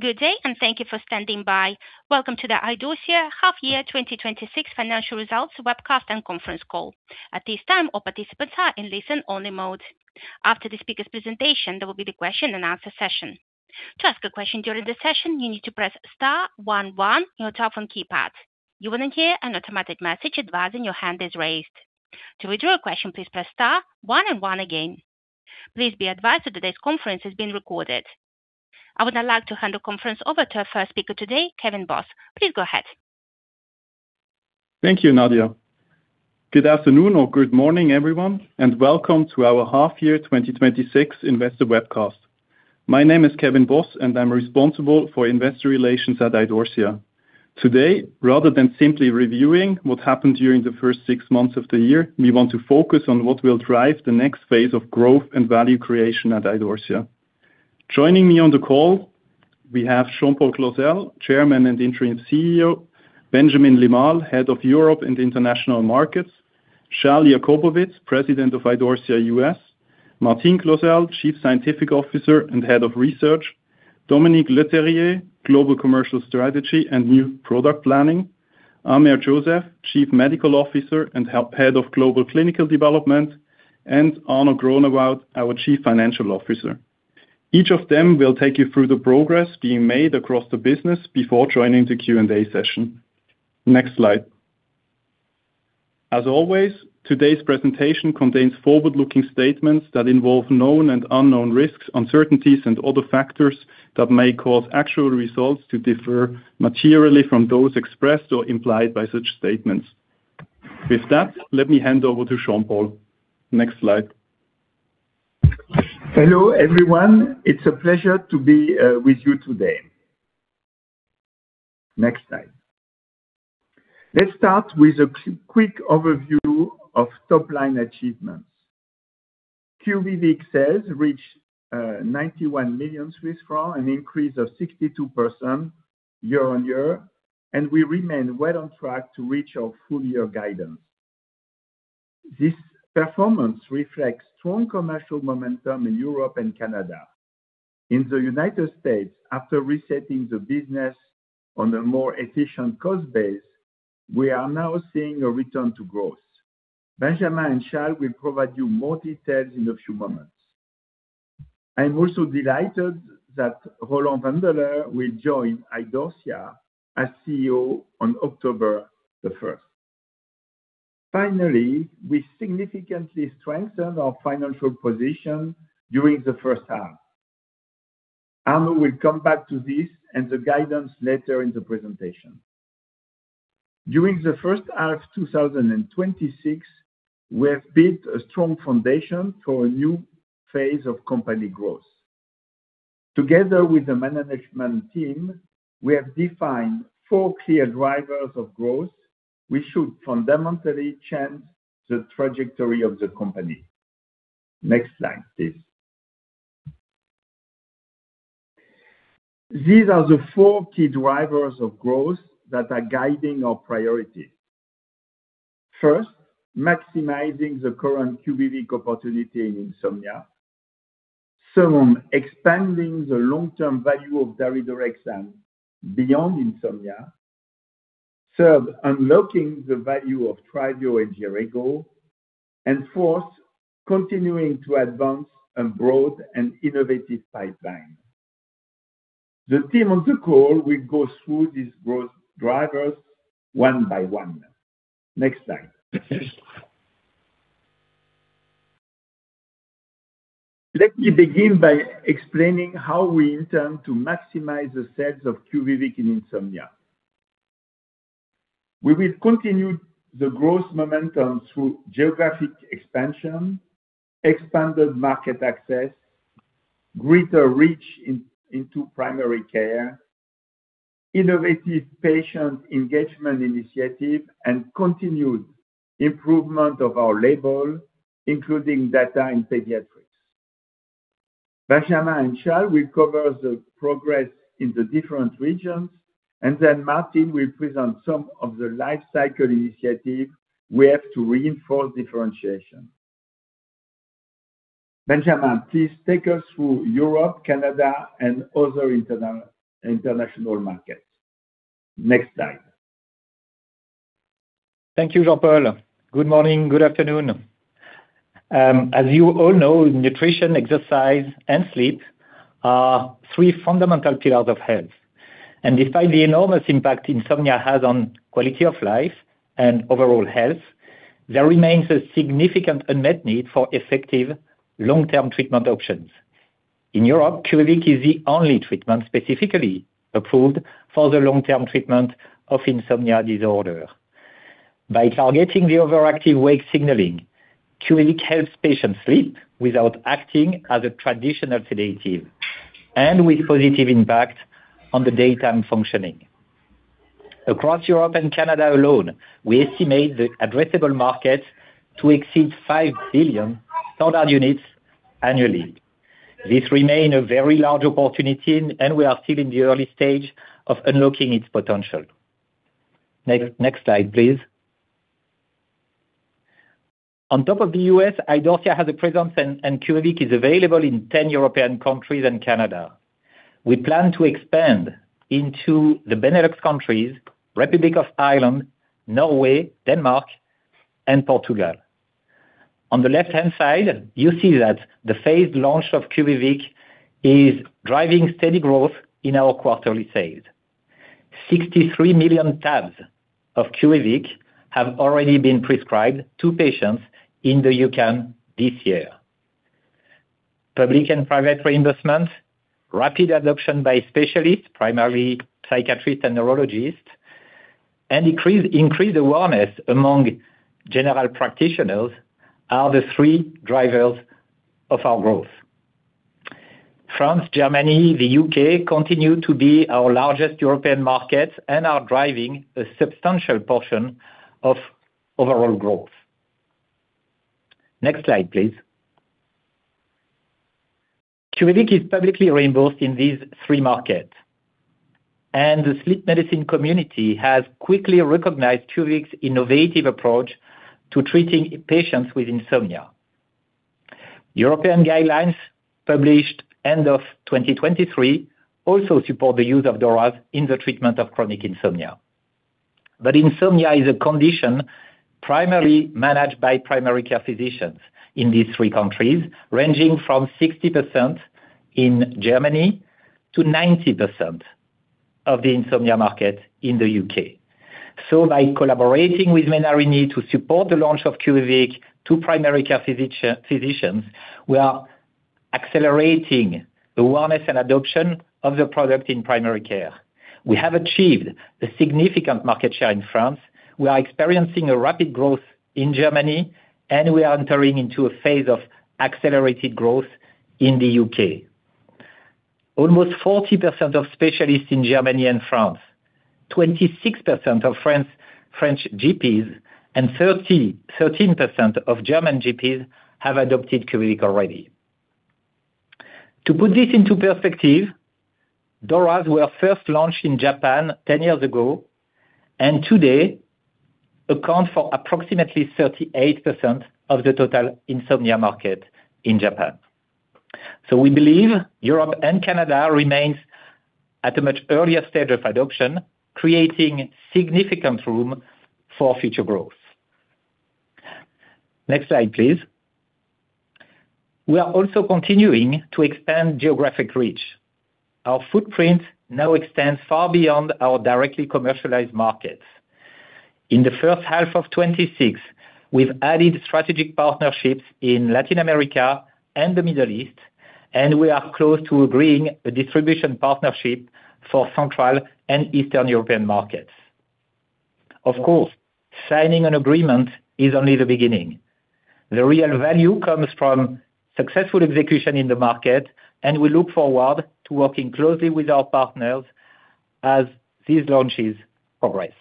Good day. Thank you for standing by. Welcome to the Idorsia Half-Year 2026 Financial Results Webcast and Conference Call. At this time, all participants are in listen-only mode. After the speaker's presentation, there will be the question and answer session. To ask a question during the session, you need to press star one one on your telephone keypad. You will hear an automatic message advising your hand is raised. To withdraw your question, please press star one and one again. Please be advised that today's conference is being recorded. I would now like to hand the conference over to our first speaker today, Kevin Boss. Please go ahead. Thank you, Nadia. Good afternoon or good morning, everyone. Welcome to our half-year 2026 investor webcast. My name is Kevin Boss, and I am responsible for Investor Relations at Idorsia. Today, rather than simply reviewing what happened during the first six months of the year, we want to focus on what will drive the next phase of growth and value creation at Idorsia. Joining me on the call, we have Jean-Paul Clozel, Chairman and Interim CEO, Benjamin Limal, Head of Europe and International Markets, Shal Jakobowitz, President of Idorsia US, Martine Clozel, Chief Scientific Officer and Head of Research, Dominique Le Terrier, Global Commercial Strategy and New Product Planning, Amer Joseph, Chief Medical Officer and Head of Global Clinical Development, and Arno Groenewoud, our Chief Financial Officer. Each of them will take you through the progress being made across the business before joining the Q&A session. Next slide. As always, today's presentation contains forward-looking statements that involve known and unknown risks, uncertainties, and other factors that may cause actual results to differ materially from those expressed or implied by such statements. With that, let me hand over to Jean-Paul. Next slide. Hello, everyone. It is a pleasure to be with you today. Next slide. Let's start with a quick overview of top-line achievements. QUVIVIQ sales reached 91 million Swiss francs, an increase of 62% year-over-year. We remain well on track to reach our full-year guidance. This performance reflects strong commercial momentum in Europe and Canada. In the U.S., after resetting the business on a more efficient cost base, we are now seeing a return to growth. Benjamin and Shal will provide you more details in a few moments. I am also delighted that Roland Wandeler will join Idorsia as CEO on October 1st. We significantly strengthened our financial position during the first half. Arno will come back to this and the guidance later in the presentation. During the first half of 2026, we have built a strong foundation for a new phase of company growth. Together with the management team, we have defined four clear drivers of growth. We should fundamentally change the trajectory of the company. Next slide, please. These are the four key drivers of growth that are guiding our priorities. First, maximizing the current QUVIVIQ opportunity in insomnia. Second, expanding the long-term value of daridorexant beyond insomnia. Third, unlocking the value of TRYVIO and JERAYGO. Fourth, continuing to advance a broad and innovative pipeline. The team on the call will go through these growth drivers one by one. Next slide. Let me begin by explaining how we intend to maximize the sales of QUVIVIQ in insomnia. We will continue the growth momentum through geographic expansion, expanded market access, greater reach into primary care, innovative patient engagement initiative, and continued improvement of our label, including data in pediatrics. Benjamin and Shal will cover the progress in the different regions. Martine will present some of the life cycle initiatives we have to reinforce differentiation. Benjamin, please take us through Europe, Canada, and other international markets. Next slide. Thank you, Jean-Paul. Good morning, good afternoon. As you all know, nutrition, exercise, and sleep are three fundamental pillars of health. Despite the enormous impact insomnia has on quality of life and overall health, there remains a significant unmet need for effective long-term treatment options. In Europe, QUVIVIQ is the only treatment specifically approved for the long-term treatment of insomnia disorder. By targeting the overactive wake signaling, QUVIVIQ helps patients sleep without acting as a traditional sedative, and with positive impact on the daytime functioning. Across Europe and Canada alone, we estimate the addressable market to exceed 5 billion standard units annually. This remains a very large opportunity. We are still in the early stage of unlocking its potential. Next slide, please. On top of the U.S., Idorsia has a presence and QUVIVIQ is available in 10 European countries and Canada. We plan to expand into the Benelux countries, Republic of Ireland, Norway, Denmark, and Portugal. On the left-hand side, you see that the phased launch of QUVIVIQ is driving steady growth in our quarterly sales. 63 million tabs of QUVIVIQ have already been prescribed to patients in the EUCAN this year. Public and private reimbursement, rapid adoption by specialists, primarily psychiatrists and neurologists, and increased awareness among general practitioners are the three drivers of our growth. France, Germany, the U.K. continue to be our largest European markets and are driving a substantial portion of overall growth. Next slide, please. QUVIVIQ is publicly reimbursed in these three markets. The sleep medicine community has quickly recognized QUVIVIQ's innovative approach to treating patients with insomnia. European guidelines, published end of 2023, also support the use of DORAs in the treatment of chronic insomnia. Insomnia is a condition primarily managed by primary care physicians in these three countries, ranging from 60% in Germany to 90% of the insomnia market in the U.K. By collaborating with Menarini to support the launch of QUVIVIQ to primary care physicians, we are accelerating awareness and adoption of the product in primary care. We have achieved a significant market share in France. We are experiencing a rapid growth in Germany, and we are entering into a phase of accelerated growth in the U.K. Almost 40% of specialists in Germany and France, 26% of French GPs, and 13% of German GPs have adopted QUVIVIQ already. To put this into perspective, DORAs were first launched in Japan 10 years ago and today account for approximately 38% of the total insomnia market in Japan. We believe Europe and Canada remains at a much earlier stage of adoption, creating significant room for future growth. Next slide, please. We are also continuing to expand geographic reach. Our footprint now extends far beyond our directly commercialized markets. In the first half of 2026, we've added strategic partnerships in Latin America and the Middle East, and we are close to agreeing a distribution partnership for Central and Eastern European markets. Of course, signing an agreement is only the beginning. The real value comes from successful execution in the market, and we look forward to working closely with our partners as these launches progress.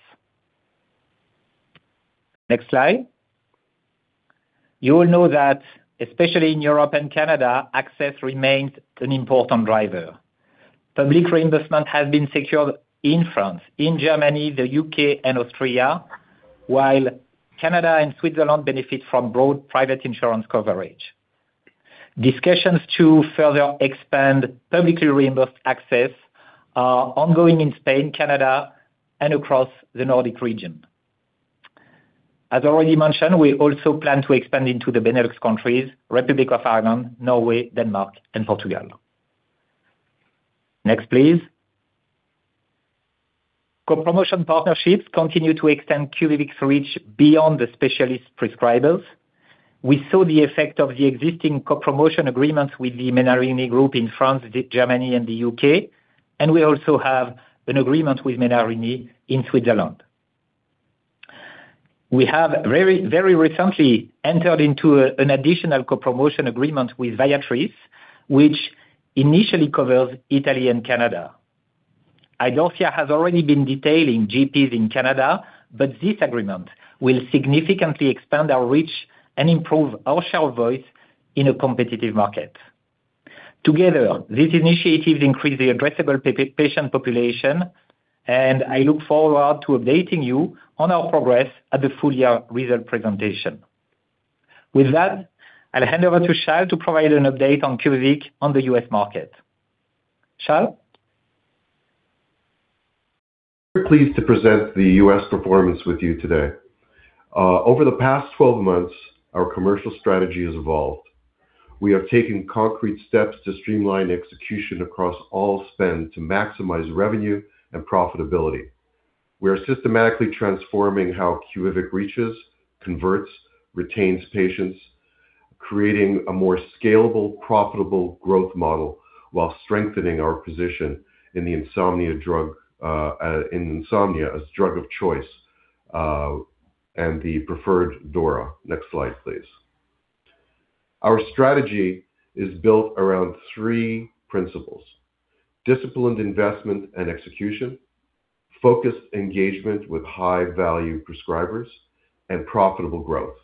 Next slide. You will know that, especially in Europe and Canada, access remains an important driver. Public reimbursement has been secured in France, in Germany, the U.K. and Austria, while Canada and Switzerland benefit from broad private insurance coverage. Discussions to further expand publicly reimbursed access are ongoing in Spain, Canada, and across the Nordic region. As I already mentioned, we also plan to expand into the Benelux countries, Republic of Ireland, Norway, Denmark, and Portugal. Next, please. Co-promotion partnerships continue to extend QUVIVIQ's reach beyond the specialist prescribers. We saw the effect of the existing co-promotion agreements with the Menarini Group in France, Germany, and the U.K., and we also have an agreement with Menarini in Switzerland. We have very recently entered into an additional co-promotion agreement with Viatris, which initially covers Italy and Canada. Idorsia has already been detailing GPs in Canada, but this agreement will significantly expand our reach and improve our share of voice in a competitive market. Together, these initiatives increase the addressable patient population, and I look forward to updating you on our progress at the full-year result presentation. With that, I'll hand over to Shal to provide an update on QUVIVIQ on the U.S. market. Shal? Pleased to present the U.S. performance with you today. Over the past 12 months, our commercial strategy has evolved. We have taken concrete steps to streamline execution across all spend to maximize revenue and profitability. We are systematically transforming how QUVIVIQ reaches, converts, retains patients, creating a more scalable, profitable growth model while strengthening our position in insomnia as drug of choice, and the preferred DORA. Next slide, please. Our strategy is built around three principles, disciplined investment and execution, focused engagement with high-value prescribers, and profitable growth.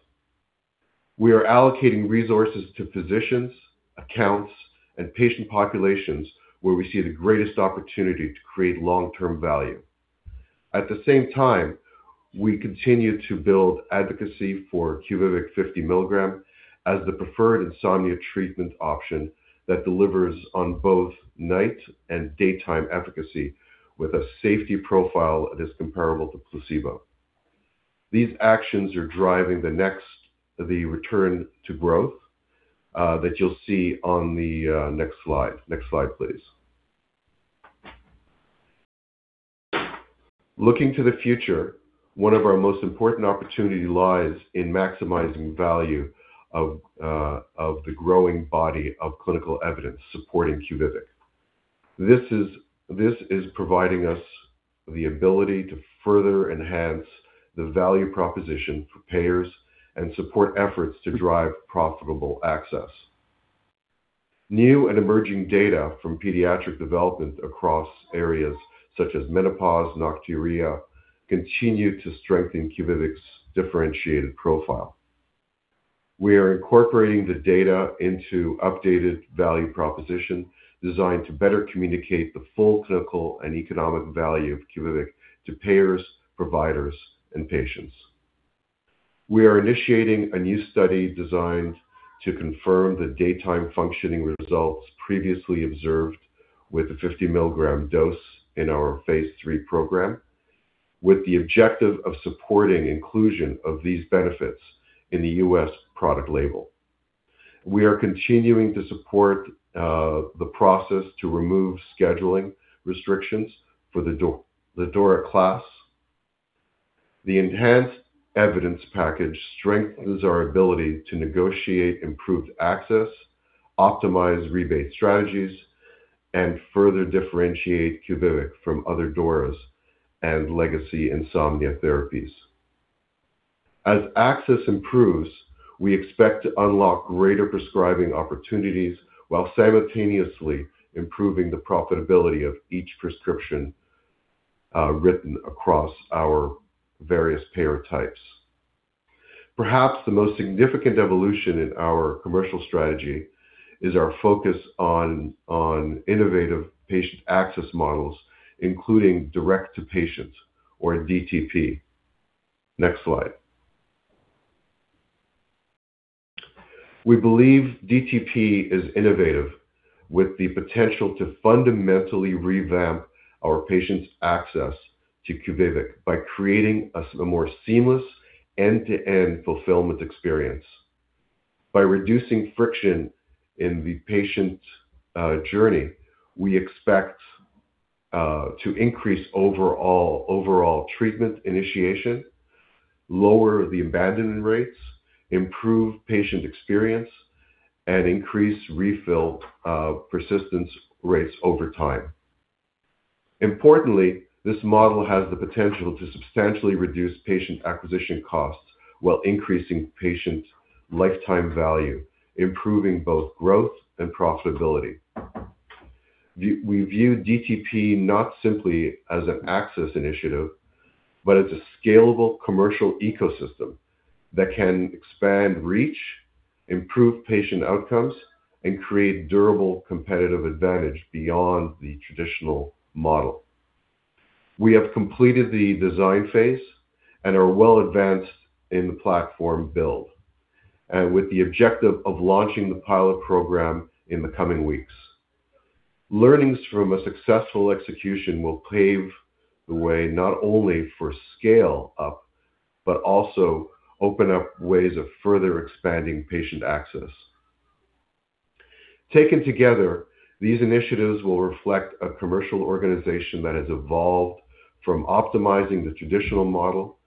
We are allocating resources to physicians, accounts, and patient populations where we see the greatest opportunity to create long-term value. At the same time, we continue to build advocacy for QUVIVIQ 50 mg as the preferred insomnia treatment option that delivers on both night and daytime efficacy with a safety profile that is comparable to placebo. These actions are driving the return to growth that you'll see on the next slide. Next slide, please. Looking to the future, one of our most important opportunity lies in maximizing value of the growing body of clinical evidence supporting QUVIVIQ. This is providing us the ability to further enhance the value proposition for payers and support efforts to drive profitable access. New and emerging data from pediatric development across areas such as menopause, nocturia, continue to strengthen QUVIVIQ's differentiated profile. We are incorporating the data into updated value proposition designed to better communicate the full clinical and economic value of QUVIVIQ to payers, providers, and patients. We are initiating a new study designed to confirm the daytime functioning results previously observed with the 50 mg dose in our phase III program, with the objective of supporting inclusion of these benefits in the U.S. product label. We are continuing to support the process to remove scheduling restrictions for the DORA class. The enhanced evidence package strengthens our ability to negotiate improved access, optimize rebate strategies, and further differentiate QUVIVIQ from other DORAs and legacy insomnia therapies. As access improves, we expect to unlock greater prescribing opportunities while simultaneously improving the profitability of each prescription written across our various payer types. Perhaps the most significant evolution in our commercial strategy is our focus on innovative patient access models, including direct to patients or DTP. Next slide. We believe DTP is innovative with the potential to fundamentally revamp our patients' access to QUVIVIQ by creating a more seamless end-to-end fulfillment experience. By reducing friction in the patient journey, we expect to increase overall treatment initiation, lower the abandonment rates, improve patient experience, and increase refill persistence rates over time. Importantly, this model has the potential to substantially reduce patient acquisition costs while increasing patient lifetime value, improving both growth and profitability. We view DTP not simply as an access initiative, but as a scalable commercial ecosystem that can expand reach, improve patient outcomes, and create durable competitive advantage beyond the traditional model. We have completed the design phase and are well advanced in the platform build, with the objective of launching the pilot program in the coming weeks. Learnings from a successful execution will pave the way not only for scale-up, but also open up ways of further expanding patient access. Taken together, these initiatives will reflect a commercial organization that has evolved from optimizing the traditional model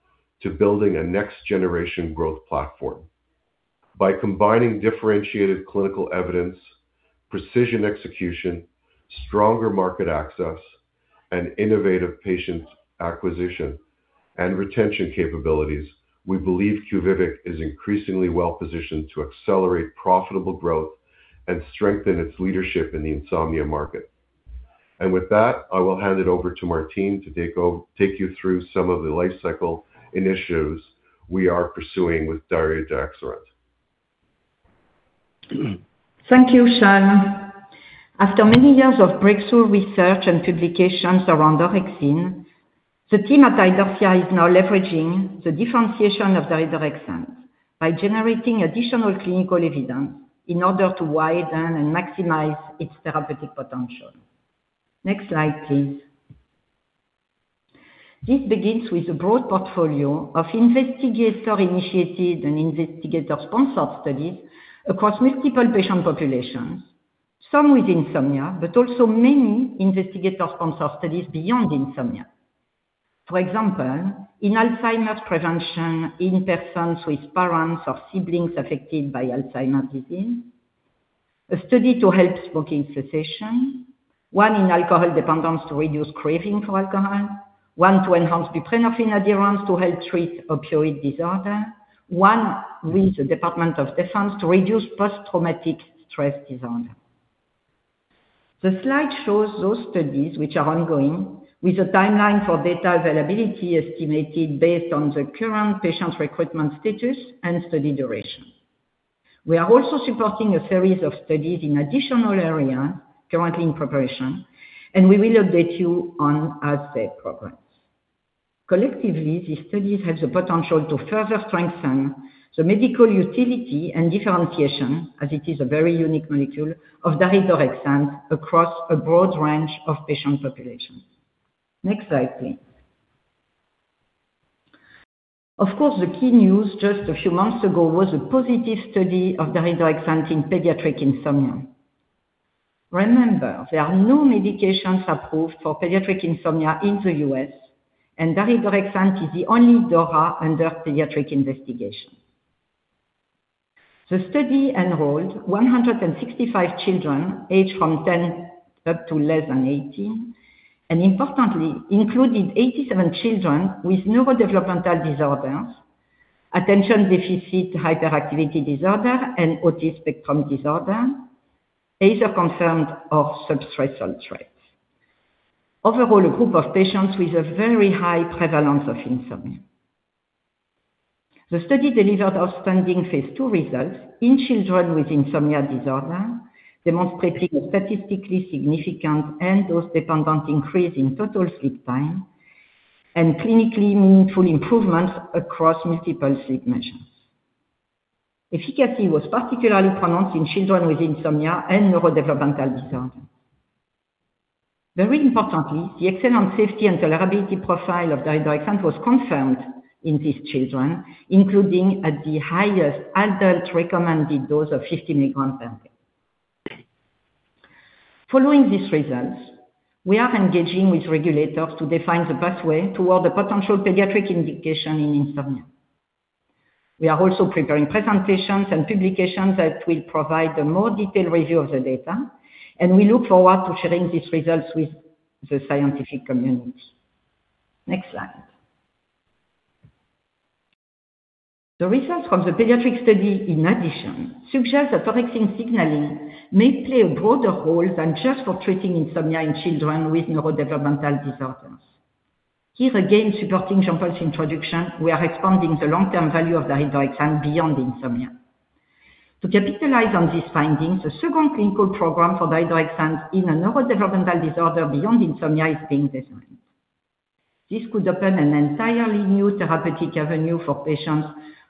to building a next generation growth platform. By combining differentiated clinical evidence, precision execution, stronger market access, and innovative patient acquisition and retention capabilities, we believe QUVIVIQ is increasingly well positioned to accelerate profitable growth and strengthen its leadership in the insomnia market. With that, I will hand it over to Martine to take you through some of the life cycle initiatives we are pursuing with daridorexant. Thank you, Shal. After many years of breakthrough research and publications around dual orexin, the team at Idorsia is now leveraging the differentiation of daridorexant by generating additional clinical evidence in order to widen and maximize its therapeutic potential. Next slide, please. This begins with a broad portfolio of investigator-initiated and investigator-sponsored studies across multiple patient populations, some with insomnia, but also many investigator-sponsored studies beyond insomnia. For example, in Alzheimer's prevention in persons with parents or siblings affected by Alzheimer's disease. A study to help smoking cessation, one in alcohol dependence to reduce craving for alcohol, one to enhance buprenorphine adherence to help treat opioid disorder, one with the Department of Defense to reduce post-traumatic stress disorder. The slide shows those studies which are ongoing with the timeline for data availability estimated based on the current patient recruitment status and study duration. We are also supporting a series of studies in additional areas currently in preparation. We will update you on as they progress. Collectively, these studies have the potential to further strengthen the medical utility and differentiation, as it is a very unique molecule, of daridorexant across a broad range of patient populations. Next slide, please. Of course, the key news just a few months ago was a positive study of daridorexant in pediatric insomnia. Remember, there are no medications approved for pediatric insomnia in the U.S., and daridorexant is the only DORA under pediatric investigation. The study enrolled 165 children aged from 10 up to less than 18, and importantly, included 87 children with neurodevelopmental disorders, attention-deficit hyperactivity disorder, and autism spectrum disorder, either concerned of subthreshold traits. Overall, a group of patients with a very high prevalence of insomnia. The study delivered outstanding phase II results in children with insomnia disorder, demonstrating a statistically significant and dose-dependent increase in total sleep time, clinically meaningful improvements across multiple sleep measures. Efficacy was particularly pronounced in children with insomnia and neurodevelopmental disorder. Very importantly, the excellent safety and tolerability profile of daridorexant was confirmed in these children, including at the highest adult recommended dose of 50 mg per day. Following these results, we are engaging with regulators to define the pathway toward the potential pediatric indication in insomnia. We are also preparing presentations and publications that will provide a more detailed review of the data. We look forward to sharing these results with the scientific community. Next slide. The results from the pediatric study, in addition, suggest orexin signaling may play a broader role than just for treating insomnia in children with neurodevelopmental disorders. Here again, supporting Jean-Paul's introduction, we are expanding the long-term value of daridorexant beyond insomnia. To capitalize on these findings, a second clinical program for daridorexant in a neurodevelopmental disorder beyond insomnia is being designed. This could open an entirely new therapeutic avenue for patients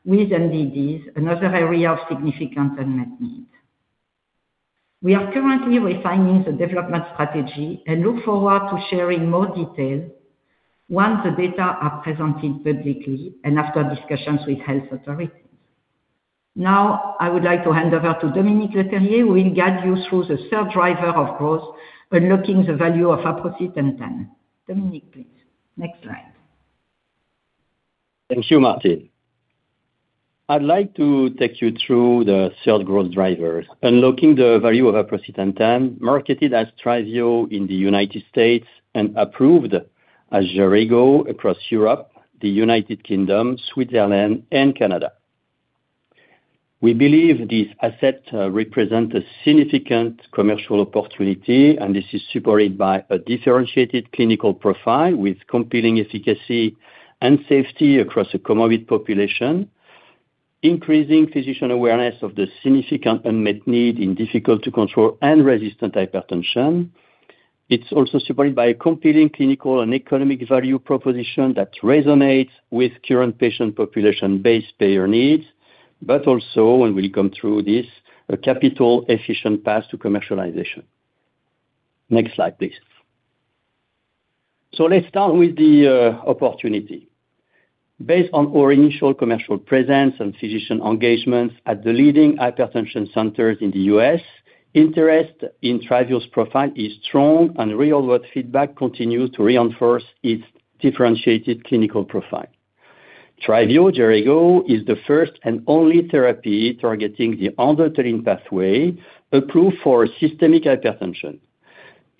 with NDDs, another area of significant unmet need. We are currently refining the development strategy and look forward to sharing more detail once the data are presented publicly and after discussions with health authorities. Now, I would like to hand over to Dominique Le Terrier, who will guide you through the third driver of growth, unlocking the value of aprocitentan. Dominique, please. Next slide. Thank you, Martine. I'd like to take you through the third growth driver, unlocking the value of aprocitentan, marketed as TRYVIO in the United States and approved as JERAYGO across Europe, the United Kingdom, Switzerland, and Canada. We believe this asset represents a significant commercial opportunity, and this is supported by a differentiated clinical profile with competing efficacy and safety across a comorbid population. Increasing physician awareness of the significant unmet need in difficult-to-control and resistant hypertension. It's also supported by a competing clinical and economic value proposition that resonates with current patient population-based payer needs, but also, and we'll come through this, a capital-efficient path to commercialization. Next slide, please. Let's start with the opportunity. Based on our initial commercial presence and physician engagements at the leading hypertension centers in the U.S., interest in TRYVIO's profile is strong and real-world feedback continues to reinforce its differentiated clinical profile. TRYVIO/JERAYGO is the first and only therapy targeting the endothelin pathway approved for systemic hypertension.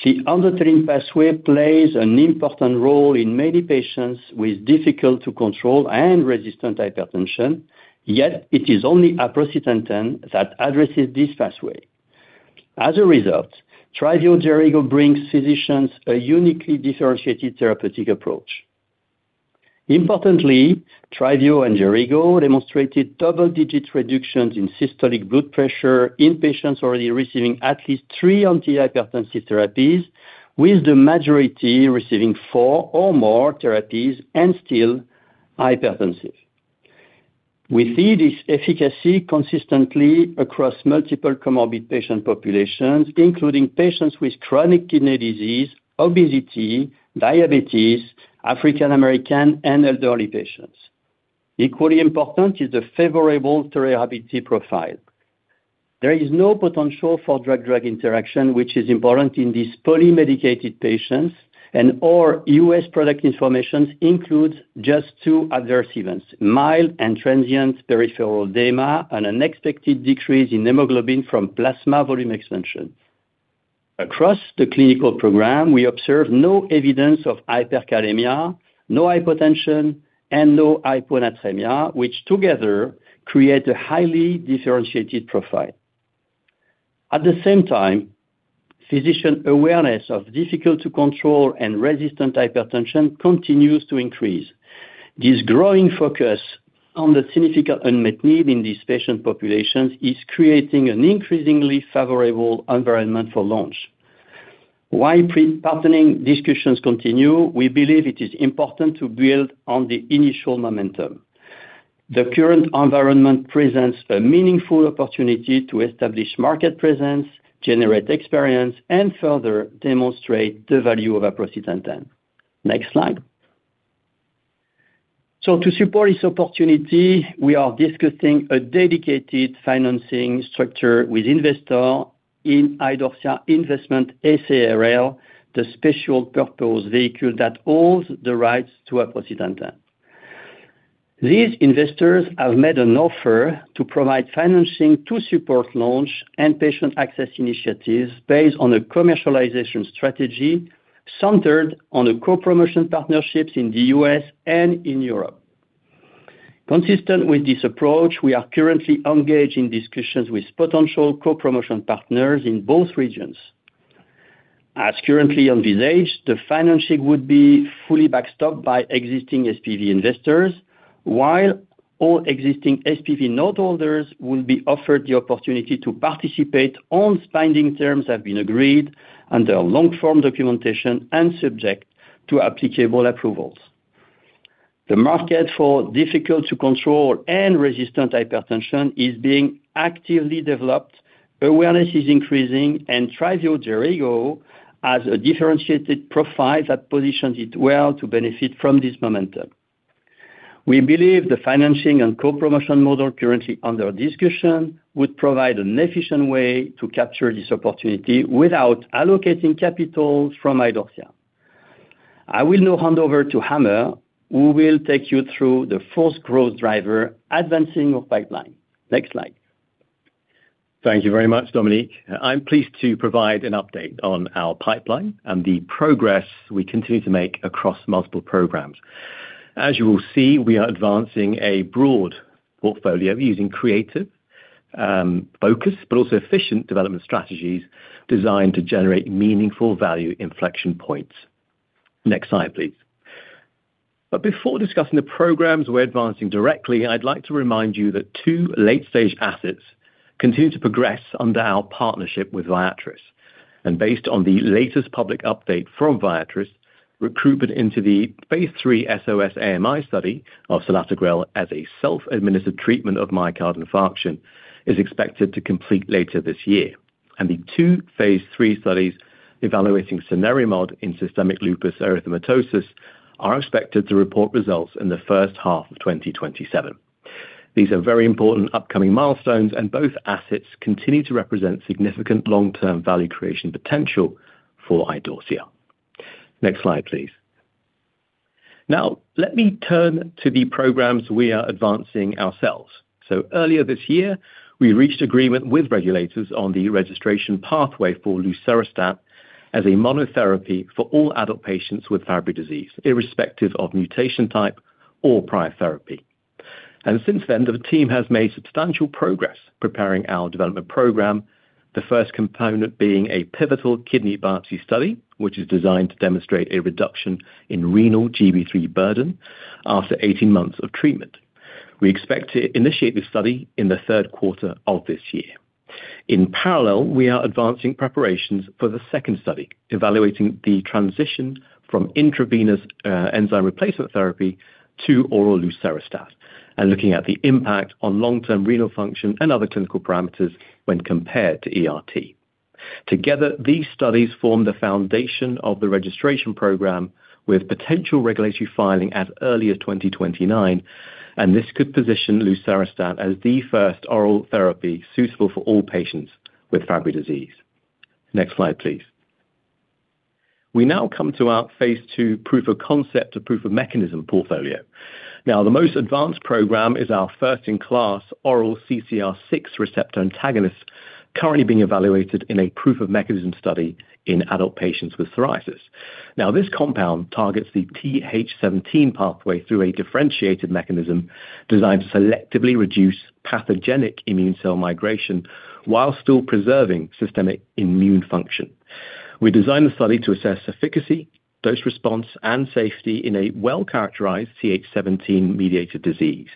The endothelin pathway plays an important role in many patients with difficult-to-control and resistant hypertension. Yet it is only aprocitentan that addresses this pathway. As a result, TRYVIO/JERAYGO brings physicians a uniquely differentiated therapeutic approach. Importantly, TRYVIO and JERAYGO demonstrated double-digit reductions in systolic blood pressure in patients already receiving at least three antihypertensive therapies, with the majority receiving four or more therapies and still hypertensive. We see this efficacy consistently across multiple comorbid patient populations, including patients with chronic kidney disease, obesity, diabetes, African American, and elderly patients. Equally important is the favorable tolerability profile. There is no potential for drug-drug interaction, which is important in these polymedicated patients, and our U.S. product information includes just two adverse events, mild and transient peripheral edema, and unexpected decrease in hemoglobin from plasma volume expansion. Across the clinical program, we observed no evidence of hyperkalemia, no hypotension, and no hyponatremia, which together create a highly differentiated profile. At the same time, physician awareness of difficult-to-control and resistant hypertension continues to increase. This growing focus on the significant unmet need in these patient populations is creating an increasingly favorable environment for launch. While pre-partnering discussions continue, we believe it is important to build on the initial momentum. The current environment presents a meaningful opportunity to establish market presence, generate experience, and further demonstrate the value of aprocitentan. Next slide. To support this opportunity, we are discussing a dedicated financing structure with investor in Idorsia Investments SARL, the special purpose vehicle that owns the rights to aprocitentan. These investors have made an offer to provide financing to support launch and patient access initiatives based on a commercialization strategy centered on the co-promotion partnerships in the U.S. and in Europe. Consistent with this approach, we are currently engaged in discussions with potential co-promotion partners in both regions. As currently envisaged, the financing would be fully backstopped by existing SPV investors, while all existing SPV note holders will be offered the opportunity to participate once binding terms have been agreed under long-form documentation and subject to applicable approvals. The market for difficult-to-control and resistant hypertension is being actively developed. Awareness is increasing, and TRYVIO/JERAYGO has a differentiated profile that positions it well to benefit from this momentum. We believe the financing and co-promotion model currently under discussion would provide an efficient way to capture this opportunity without allocating capital from Idorsia. I will now hand over to Amer, who will take you through the fourth growth driver, advancing of pipeline. Next slide. Thank you very much, Dominique. I'm pleased to provide an update on our pipeline and the progress we continue to make across multiple programs. As you will see, we are advancing a broad portfolio using creative, focused, but also efficient development strategies designed to generate meaningful value inflection points. Next slide, please. Before discussing the programs we're advancing directly, I'd like to remind you that two late-stage assets continue to progress under our partnership with Viatris. Based on the latest public update from Viatris, recruitment into the phase III SOS-AMI study of selatogrel as a self-administered treatment of myocardial infarction is expected to complete later this year. The two phase III studies evaluating cenerimod in systemic lupus erythematosus are expected to report results in the first half of 2027. These are very important upcoming milestones, both assets continue to represent significant long-term value creation potential for Idorsia. Next slide, please. Now, let me turn to the programs we are advancing ourselves. Earlier this year, we reached agreement with regulators on the registration pathway for lucerastat as a monotherapy for all adult patients with Fabry disease, irrespective of mutation type or prior therapy. Since then, the team has made substantial progress preparing our development program, the first component being a pivotal kidney biopsy study, which is designed to demonstrate a reduction in renal GL-3 burden after 18 months of treatment. We expect to initiate this study in the Q3 of this year. In parallel, we are advancing preparations for the second study, evaluating the transition from intravenous enzyme replacement therapy to oral lucerastat and looking at the impact on long-term renal function and other clinical parameters when compared to ERT. Together, these studies form the foundation of the registration program, with potential regulatory filing as early as 2029. This could position lucerastat as the first oral therapy suitable for all patients with Fabry disease. Next slide, please. We now come to our phase II proof of concept to proof of mechanism portfolio. The most advanced program is our first-in-class oral CCR6 receptor antagonist, currently being evaluated in a proof of mechanism study in adult patients with psoriasis. This compound targets the Th17 pathway through a differentiated mechanism designed to selectively reduce pathogenic immune cell migration while still preserving systemic immune function. We designed the study to assess efficacy, dose response, and safety in a well-characterized Th17-mediated disease.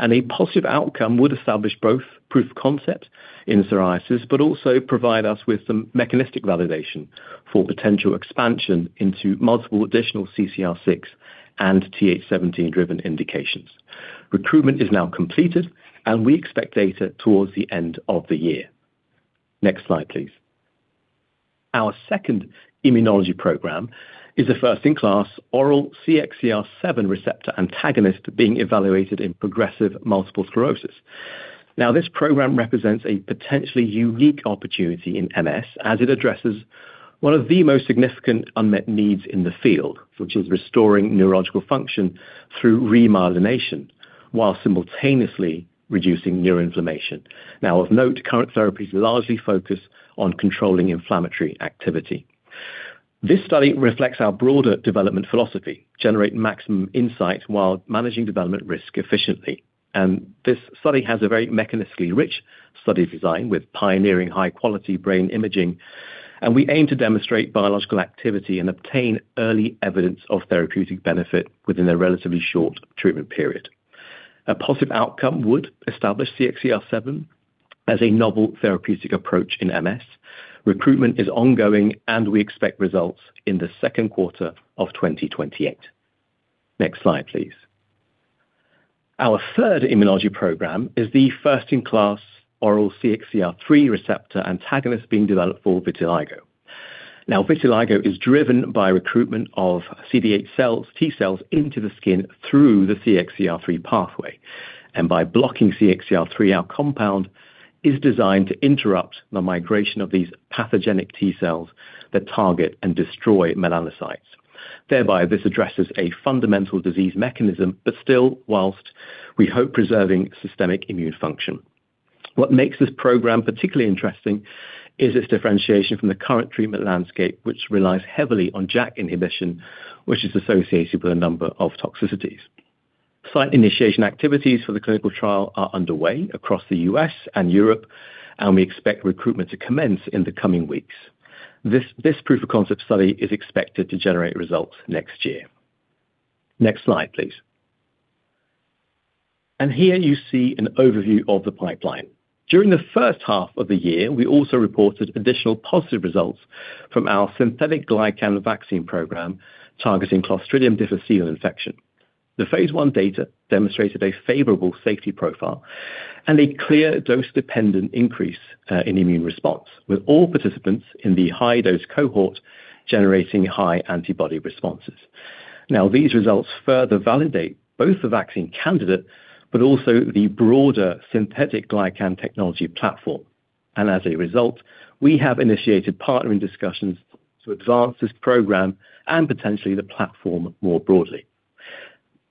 A positive outcome would establish both proof of concept in psoriasis, but also provide us with some mechanistic validation for potential expansion into multiple additional CCR6 and Th17-driven indications. Recruitment is now completed, and we expect data towards the end of the year. Next slide, please. Our second immunology program is a first-in-class oral CXCR7 receptor antagonist being evaluated in progressive multiple sclerosis. This program represents a potentially unique opportunity in MS, as it addresses one of the most significant unmet needs in the field, which is restoring neurological function through remyelination while simultaneously reducing neuroinflammation. Of note, current therapies largely focus on controlling inflammatory activity. This study reflects our broader development philosophy, generate maximum insight while managing development risk efficiently. This study has a very mechanistically rich study design with pioneering high-quality brain imaging, and we aim to demonstrate biological activity and obtain early evidence of therapeutic benefit within a relatively short treatment period. A positive outcome would establish CXCR7 as a novel therapeutic approach in MS. Recruitment is ongoing, and we expect results in the Q2 of 2028. Next slide, please. Our third immunology program is the first-in-class oral CXCR3 receptor antagonist being developed for vitiligo. Vitiligo is driven by recruitment of CD8 cells, T-cells into the skin through the CXCR3 pathway. By blocking CXCR3, our compound is designed to interrupt the migration of these pathogenic T-cells that target and destroy melanocytes. This addresses a fundamental disease mechanism, but still whilst we hope preserving systemic immune function. What makes this program particularly interesting is its differentiation from the current treatment landscape, which relies heavily on JAK inhibition, which is associated with a number of toxicities. Site initiation activities for the clinical trial are underway across the U.S. and Europe, and we expect recruitment to commence in the coming weeks. This proof of concept study is expected to generate results next year. Next slide, please. Here you see an overview of the pipeline. During the first half of the year, we also reported additional positive results from our synthetic glycan vaccine program targeting Clostridium difficile infection. The phase I data demonstrated a favorable safety profile and a clear dose-dependent increase in immune response, with all participants in the high-dose cohort generating high antibody responses. These results further validate both the vaccine candidate but also the broader synthetic glycan technology platform. As a result, we have initiated partnering discussions to advance this program and potentially the platform more broadly.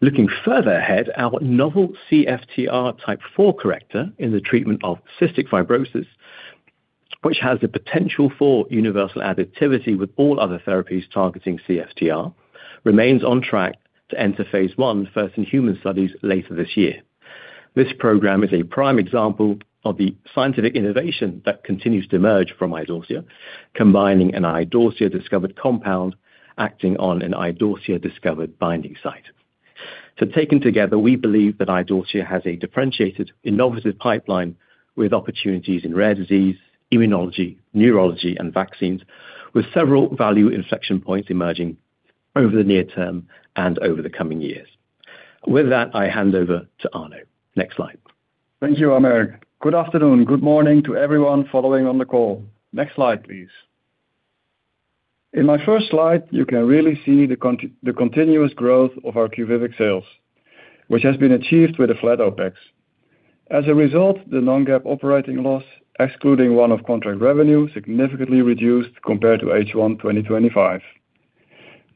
Looking further ahead, our novel CFTR type 4 corrector in the treatment of cystic fibrosis, which has the potential for universal additivity with all other therapies targeting CFTR, remains on track to enter phase I first in human studies later this year. This program is a prime example of the scientific innovation that continues to emerge from Idorsia, combining an Idorsia-discovered compound, acting on an Idorsia-discovered binding site. Taken together, we believe that Idorsia has a differentiated, innovative pipeline with opportunities in rare disease, immunology, neurology, and vaccines, with several value inflection points emerging over the near term and over the coming years. With that, I hand over to Arno. Next slide. Thank you, Amer. Good afternoon. Good morning to everyone following on the call. Next slide, please. In my first slide, you can really see the continuous growth of our QUVIVIQ sales, which has been achieved with a flat OPEX. As a result, the non-GAAP operating loss, excluding one of contract revenue, significantly reduced compared to H1 2025.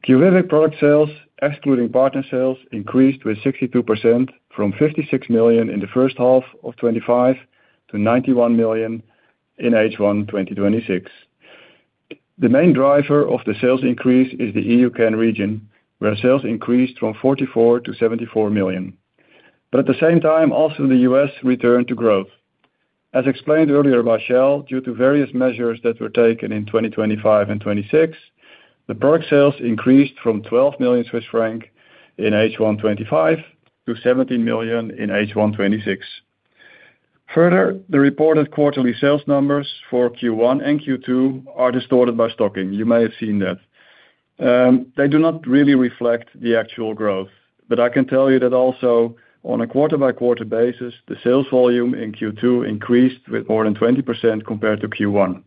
QUVIVIQ product sales, excluding partner sales, increased with 62% from 56 million in the first half of 2025 to 91 million in H1 2026. The main driver of the sales increase is the EUCAN region, where sales increased from 44 million to 74 million. At the same time, also the U.S. returned to growth. As explained earlier by Jean-Paul, due to various measures that were taken in 2025 and 2026, the product sales increased from 12 million Swiss franc in H1 2025 to 17 million in H1 2026. Further, the reported quarterly sales numbers for Q1 and Q2 are distorted by stocking. You may have seen that. They do not really reflect the actual growth. I can tell you that also on a quarter-by-quarter basis, the sales volume in Q2 increased with more than 20% compared to Q1,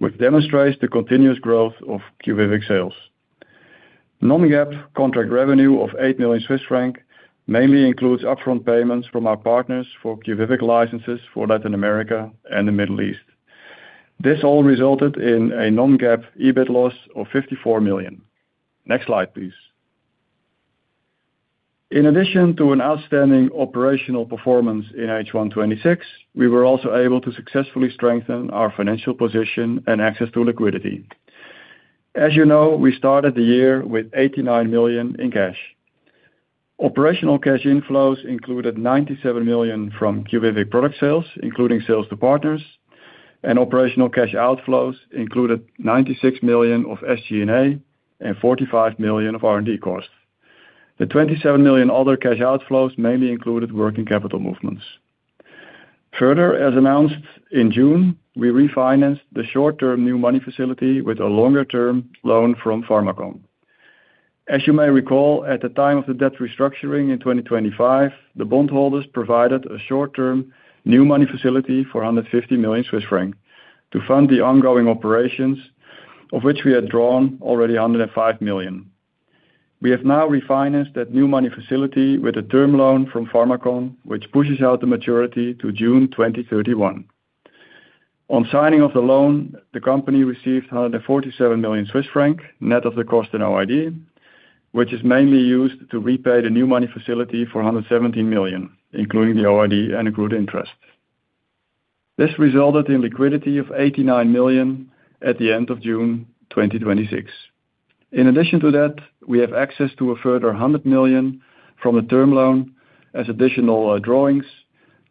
which demonstrates the continuous growth of QUVIVIQ sales. Non-GAAP contract revenue of 8 million Swiss franc mainly includes upfront payments from our partners for QUVIVIQ licenses for Latin America and the Middle East. This all resulted in a non-GAAP EBIT loss of 54 million. Next slide, please. In addition to an outstanding operational performance in H1 2026, we were also able to successfully strengthen our financial position and access to liquidity. As you know, we started the year with 89 million in cash. Operational cash inflows included 97 million from QUVIVIQ product sales, including sales to partners, and operational cash outflows included 96 million of SG&A and 45 million of R&D costs. The 27 million other cash outflows mainly included working capital movements. Further, as announced in June, we refinanced the short-term new money facility with a longer-term loan from Pharmakon. As you may recall, at the time of the debt restructuring in 2025, the bondholders provided a short-term new money facility for 150 million Swiss francs to fund the ongoing operations, of which we had drawn already 105 million. We have now refinanced that new money facility with a term loan from Pharmakon, which pushes out the maturity to June 2031. On signing of the loan, the company received 147 million Swiss francs, net of the cost and OID, which is mainly used to repay the new money facility for 117 million, including the OID and accrued interest. This resulted in liquidity of 89 million at the end of June 2026. In addition to that, we have access to a further 100 million from a term loan as additional drawings,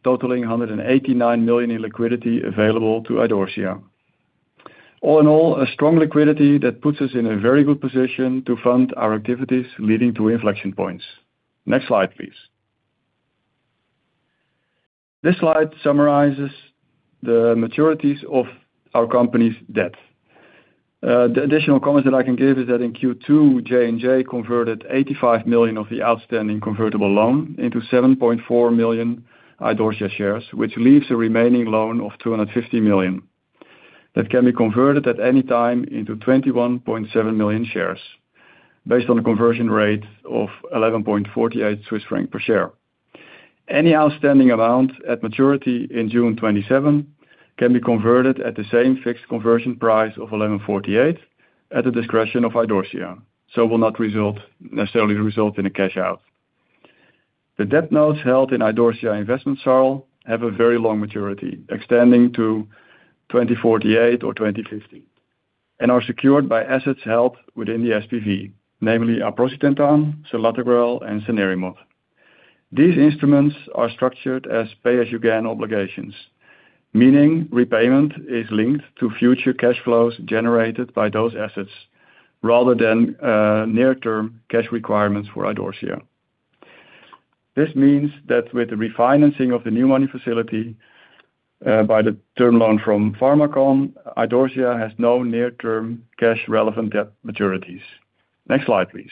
totaling 189 million in liquidity available to Idorsia. All in all, a strong liquidity that puts us in a very good position to fund our activities leading to inflection points. Next slide, please. This slide summarizes the maturities of our company's debt. The additional comments that I can give is that in Q2, J&J converted 85 million of the outstanding convertible loan into 7.4 million Idorsia shares, which leaves a remaining loan of 250 million. That can be converted at any time into 21.7 million shares based on the conversion rate of 11.48 Swiss francs per share. Any outstanding amount at maturity in June 2027 can be converted at the same fixed conversion price of 11.48 at the discretion of Idorsia, so will not necessarily result in a cash-out. The debt notes held in Idorsia Investments SARL have a very long maturity, extending to 2048 or 2050, and are secured by assets held within the SPV, namely aprocitentan, selatogrel, and cenerimod. These instruments are structured as pay-as-you-gain obligations, meaning repayment is linked to future cash flows generated by those assets rather than near-term cash requirements for Idorsia. This means that with the refinancing of the new money facility by the term loan from Pharmakon, Idorsia has no near-term cash-relevant debt maturities. Next slide, please.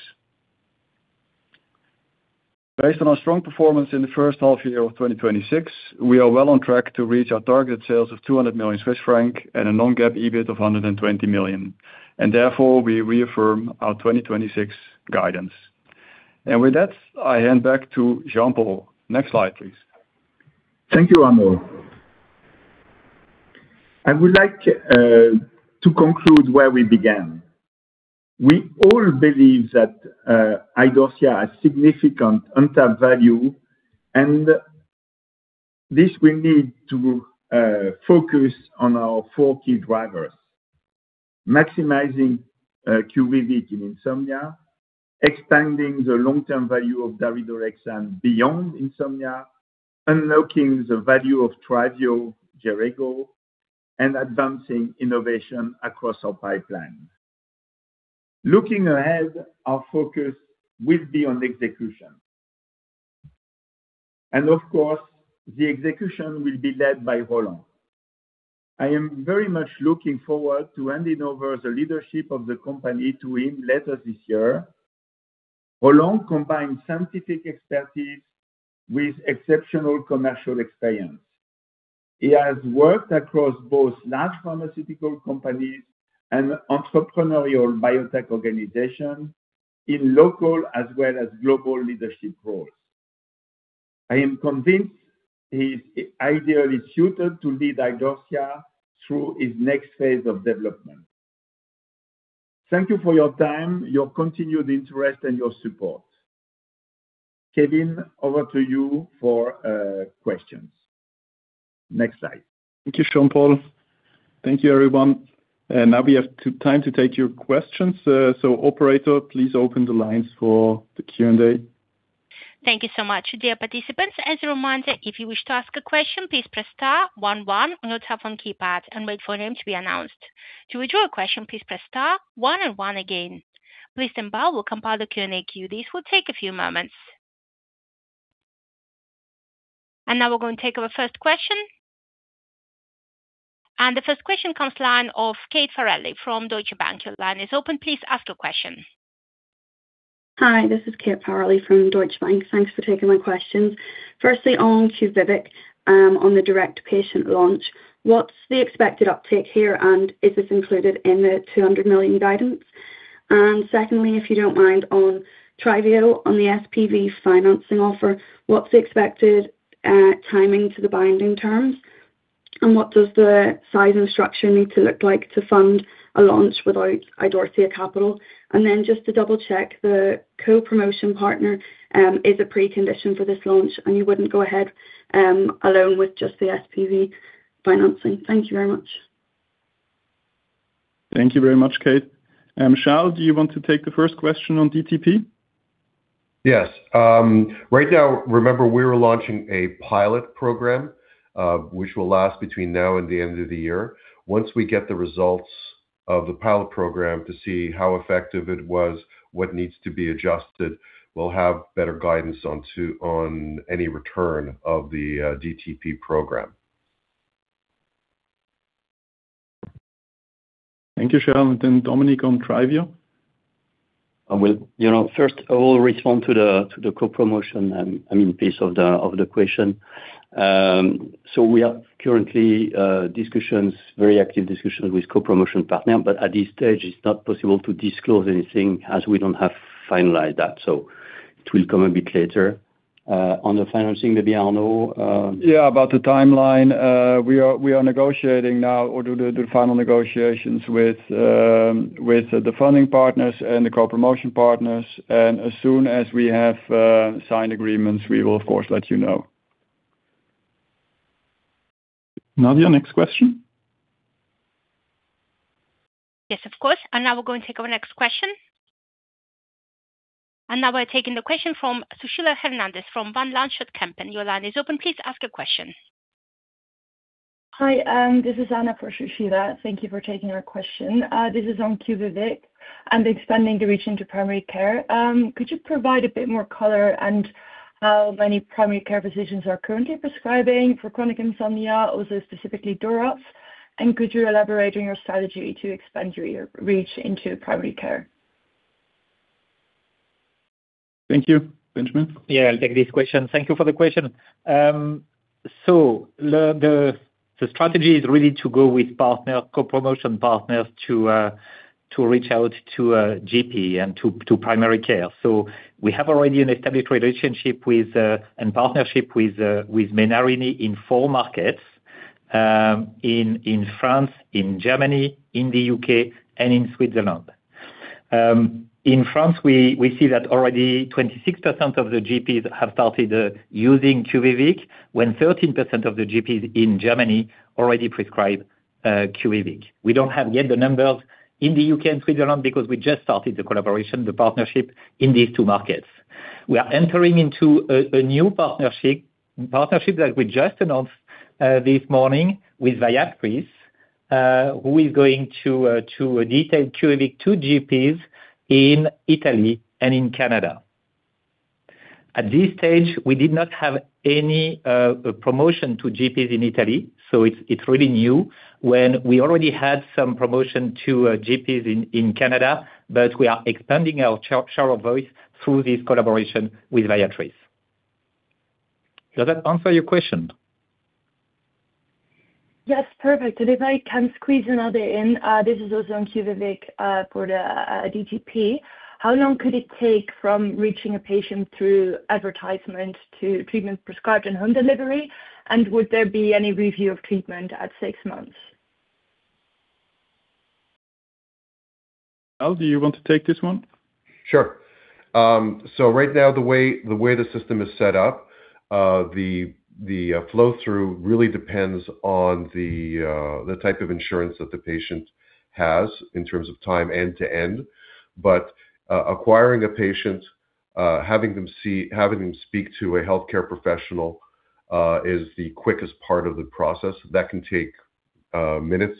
Based on our strong performance in the first half year of 2026, we are well on track to reach our target sales of 200 million Swiss franc and a non-GAAP EBIT of 120 million, therefore, we reaffirm our 2026 guidance. With that, I hand back to Jean-Paul. Next slide, please. Thank you, Arno. I would like to conclude where we began. We all believe that Idorsia has significant untapped value, and this will need to focus on our four key drivers. Maximizing QUVIVIQ in insomnia, expanding the long-term value of daridorexant beyond insomnia, unlocking the value of TRYVIO, JERAYGO, and advancing innovation across our pipeline. Looking ahead, our focus will be on execution. Of course, the execution will be led by Roland. I am very much looking forward to handing over the leadership of the company to him later this year. Roland combines scientific expertise with exceptional commercial experience. He has worked across both large pharmaceutical companies and entrepreneurial biotech organizations in local as well as global leadership roles. I am convinced he's ideally suited to lead Idorsia through its next phase of development. Thank you for your time, your continued interest, and your support. Kevin, over to you for questions. Next slide. Thank you, Jean-Paul. Thank you, everyone. Now we have time to take your questions. Operator, please open the lines for the Q&A. Thank you so much. Dear participants, as a reminder, if you wish to ask a question, please press *11 on your telephone keypad and wait for your name to be announced. To withdraw your question, please press *11 again. Please stand by, we'll compile the Q&A queue. This will take a few moments. Now we're going to take our first question. The first question comes line of Kate Farrelly from Deutsche Bank. Your line is open, please ask your question. Hi, this is Kate Farrelly from Deutsche Bank. Thanks for taking my questions. Firstly, on QUVIVIQ, on the direct-to-patient launch, what's the expected uptake here, and is this included in the 200 million guidance? Secondly, if you don't mind, on TRYVIO, on the SPV financing offer, what's the expected timing to the binding terms? What does the size and structure need to look like to fund a launch without Idorsia capital? Just to double-check, the co-promotion partner is a precondition for this launch, and you wouldn't go ahead alone with just the SPV financing. Thank you very much. Thank you very much, Kate. Shal, do you want to take the first question on DTP? Yes. Right now, remember, we are launching a pilot program, which will last between now and the end of the year. Once we get the results of the pilot program to see how effective it was, what needs to be adjusted, we'll have better guidance on any return of the DTP program. Thank you, Shal. Dominique on TRYVIO. First of all, respond to the co-promotion piece of the question. We are currently very active discussions with co-promotion partner, at this stage, it's not possible to disclose anything as we don't have finalized that. It will come a bit later. On the financing, maybe Arno. Yeah. About the timeline, we are negotiating now or do the final negotiations with the funding partners and the co-promotion partners. As soon as we have signed agreements, we will of course let you know. Operator, next question. Yes, of course. Now we're going to take our next question. Now we're taking the question from Sushila Hernandez from Van Lanschot Kempen. Your line is open. Please ask your question. Hi. This is Anna for Sushila. Thank you for taking our question. This is on QUVIVIQ and expanding the reach into primary care. Could you provide a bit more color on how many primary care physicians are currently prescribing for chronic insomnia, also specifically DORA? Could you elaborate on your strategy to expand your reach into primary care? Thank you. Benjamin? Yeah, I'll take this question. Thank you for the question. The strategy is really to go with co-promotion partners to reach out to GP and to primary care. We have already an established relationship with and partnership with Menarini in four markets. In France, in Germany, in the U.K., and in Switzerland. In France, we see that already 26% of the GPs have started using QUVIVIQ, when 13% of the GPs in Germany already prescribe QUVIVIQ. We don't have yet the numbers in the U.K. and Switzerland because we just started the collaboration, the partnership in these two markets. We are entering into a new partnership that we just announced this morning with Viatris, who is going to detail QUVIVIQ to GPs in Italy and in Canada. At this stage, we did not have any promotion to GPs in Italy, so it's really new when we already had some promotion to GPs in Canada, but we are expanding our share of voice through this collaboration with Viatris. Does that answer your question? Yes. Perfect. If I can squeeze another in, this is also on QUVIVIQ for the DTP. How long could it take from reaching a patient through advertisement to treatment prescribed and home delivery? Would there be any review of treatment at six months? Shal, do you want to take this one? Sure. Right now, the way the system is set up, the flow-through really depends on the type of insurance that the patient has in terms of time end to end. Acquiring a patient, having them speak to a healthcare professional is the quickest part of the process. That can take minutes.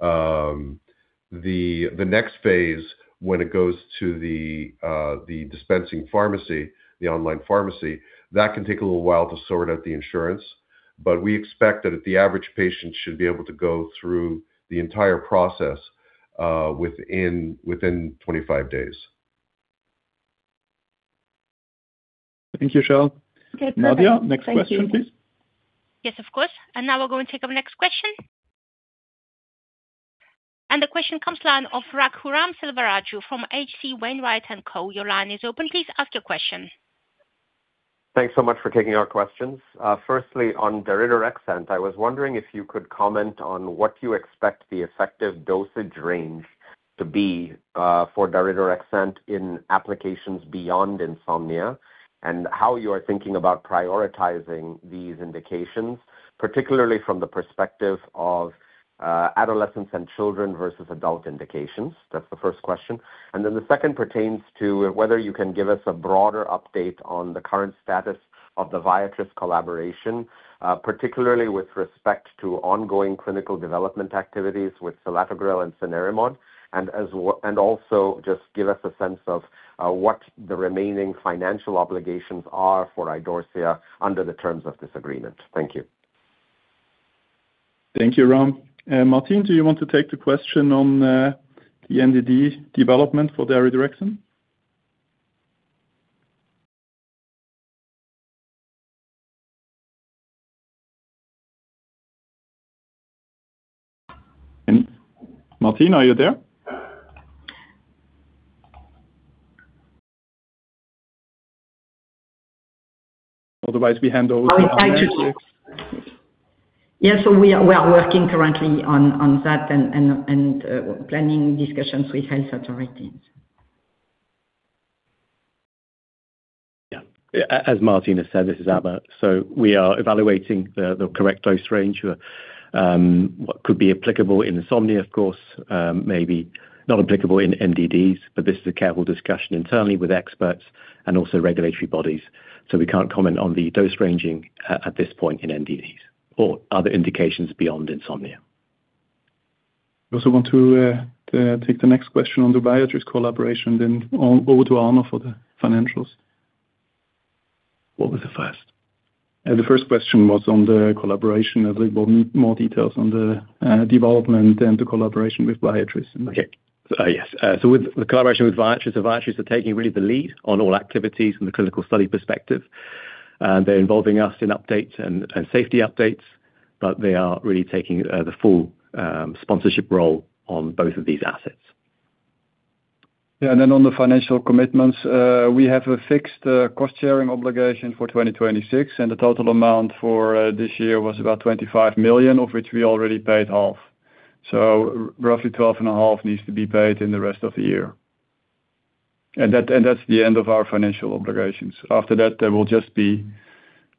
The next phase, when it goes to the dispensing pharmacy, the online pharmacy, that can take a little while to sort out the insurance. We expect that the average patient should be able to go through the entire process within 25 days. Thank you, Shal. Nadia, next question, please. Yes, of course. Now we're going to take our next question. The question comes line of Raghuram Selvaraju from H.C. Wainwright & Co. Your line is open. Please ask your question. Thanks so much for taking our questions. Firstly, on daridorexant, I was wondering if you could comment on what you expect the effective dosage range to be for daridorexant in applications beyond insomnia, and how you are thinking about prioritizing these indications, particularly from the perspective of adolescents and children versus adult indications. That's the first question. Then the second pertains to whether you can give us a broader update on the current status of the Viatris collaboration, particularly with respect to ongoing clinical development activities with selatogrel and cenerimod, and also just give us a sense of what the remaining financial obligations are for Idorsia under the terms of this agreement. Thank you. Thank you, Raghuram . Martine, do you want to take the question on the NDD development for daridorexant? Martine, are you there? Otherwise, we hand over to Amer. Yes. We are working currently on that and planning discussions with health authorities. Yeah. As Martine has said, this is Amer. We are evaluating the correct dose range. What could be applicable in insomnia, of course, may be not applicable in NDDs. This is a careful discussion internally with experts and also regulatory bodies. We can't comment on the dose ranging at this point in NDDs or other indications beyond insomnia. You also want to take the next question on the Viatris collaboration, over to Arno for the financials. What was the first? The first question was on the collaboration. They want more details on the development and the collaboration with Viatris. Okay. Yes. With the collaboration with Viatris are taking really the lead on all activities from the clinical study perspective. They're involving us in updates and safety updates, but they are really taking the full sponsorship role on both of these assets. Yeah. Then on the financial commitments, we have a fixed cost-sharing obligation for 2026, the total amount for this year was about 25 million, of which we already paid half. Roughly twelve and a half needs to be paid in the rest of the year. That's the end of our financial obligations. After that, there will just be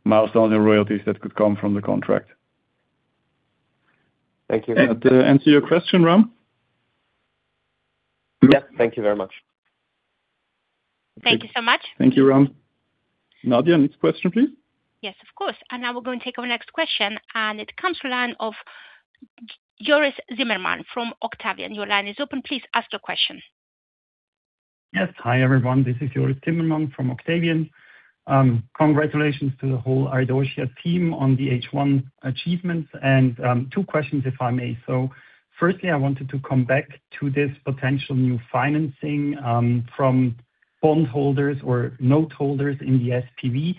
milestones and royalties that could come from the contract. Thank you. That answer your question, Raghuram? Yeah. Thank you very much. Thank you so much. Thank you, Ram. Nadia, next question, please. Yes, of course. Now we're going to take our next question, and it comes from the line of Joris Zimmermann from Octavian. Your line is open. Please ask your question. Yes. Hi, everyone. This is Joris Zimmermann from Octavian. Congratulations to the whole Idorsia team on the H1 achievements. Two questions, if I may. Firstly, I wanted to come back to this potential new financing from bondholders or note holders in the SPV.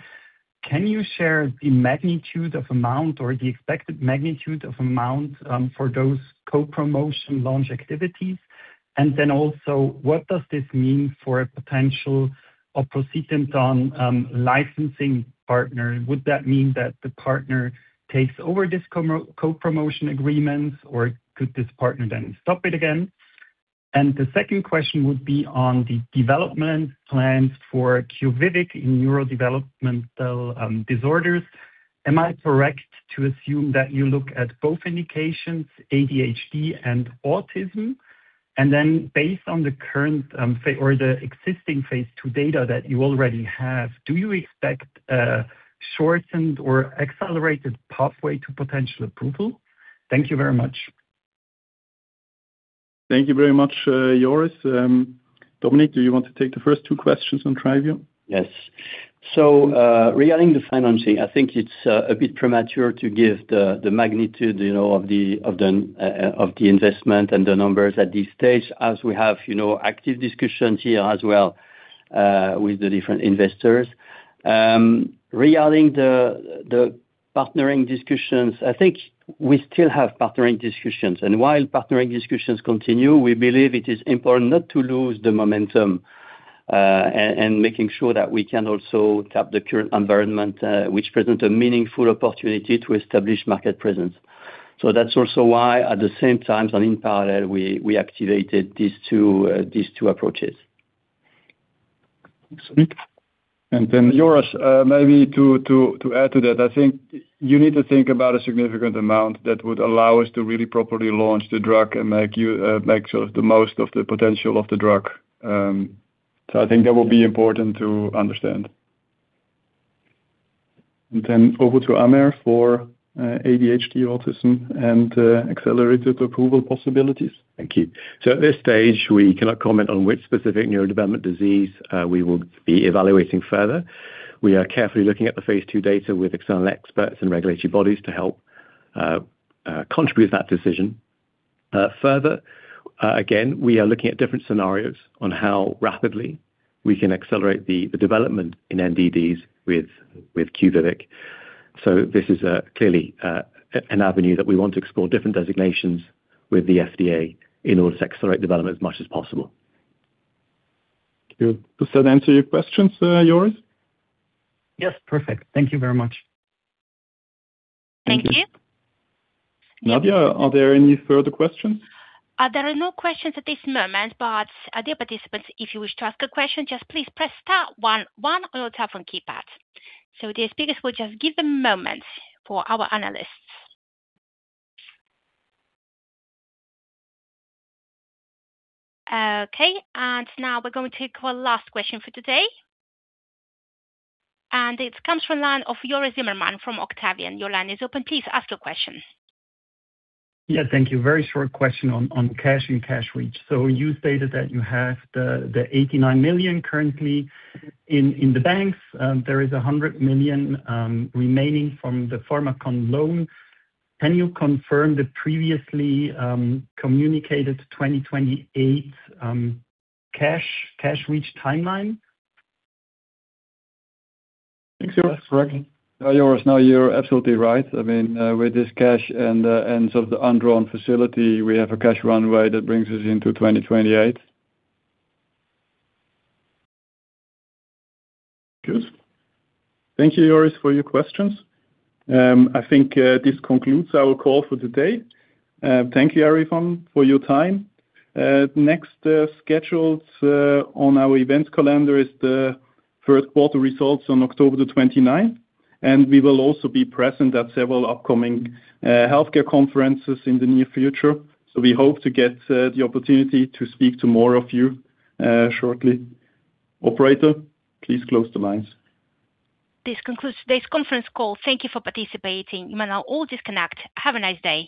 Can you share the magnitude of amount or the expected magnitude of amount for those co-promotion launch activities? Also, what does this mean for a potential proceeding on licensing partner? Would that mean that the partner takes over this co-promotion agreement, or could this partner then stop it again? The second question would be on the development plans for QUVIVIQ in neurodevelopmental disorders. Am I correct to assume that you look at both indications, ADHD and autism? Based on the current or the existing phase II data that you already have, do you expect a shortened or accelerated pathway to potential approval? Thank you very much. Thank you very much, Joris. Dominique, do you want to take the first two questions on TRYVIO? Yes. Regarding the financing, I think it's a bit premature to give the magnitude of the investment and the numbers at this stage as we have active discussions here as well with the different investors. Regarding the partnering discussions, I think we still have partnering discussions. While partnering discussions continue, we believe it is important not to lose the momentum and making sure that we can also tap the current environment, which present a meaningful opportunity to establish market presence. That's also why, at the same time and in parallel, we activated these two approaches. Thanks, Dominique. Joris, maybe to add to that, I think you need to think about a significant amount that would allow us to really properly launch the drug and make the most of the potential of the drug. I think that will be important to understand. Over to Amer for ADHD, autism, and accelerated approval possibilities. Thank you. At this stage, we cannot comment on which specific neurodevelopment disease we will be evaluating further. We are carefully looking at the phase II data with external experts and regulatory bodies to help contribute that decision. Further, again, we are looking at different scenarios on how rapidly we can accelerate the development in NDDs with QUVIVIQ. This is clearly an avenue that we want to explore different designations with the FDA in order to accelerate development as much as possible. Good. Does that answer your questions, Joris? Yes. Perfect. Thank you very much. Thank you. Nadia, are there any further questions? There are no questions at this moment. Dear participants, if you wish to ask a question, just please press *11 on your telephone keypad. Dear speakers, we'll just give a moment for our analysts. Now we're going to take our last question for today. It comes from line of Joris Zimmermann from Octavian. Your line is open. Please ask your question. Yeah. Thank you. Very short question on cash and cash reach. You stated that you have the 89 million currently in the banks. There is 100 million remaining from the Pharmakon loan. Can you confirm the previously communicated 2028 cash reach timeline? Thanks, Joris. No, Joris, no, you're absolutely right. I mean, with this cash and the undrawn facility, we have a cash runway that brings us into 2028. Good. Thank you, Joris, for your questions. I think this concludes our call for today. Thank you everyone for your time. Next schedules on our event calendar is the Q1 results on October the 29th, and we will also be present at several upcoming healthcare conferences in the near future. We hope to get the opportunity to speak to more of you shortly. Operator, please close the lines. This concludes today's conference call. Thank you for participating. You may now all disconnect. Have a nice day.